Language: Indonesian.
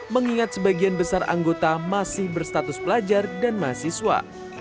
mengingat sebagian besar anggota masih berstatus pelajar dan mahasiswa